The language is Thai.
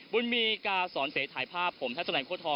บุญมีกาสอนเศรษฐ์ถ่ายภาพผมทัศนัยโคทร